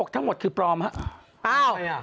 ทั้งหมดคือปลอมครับ